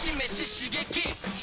刺激！